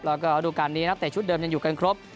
แล้วก็ระดูการนี้นักเตะชุดเดิมยังอยู่กันครบ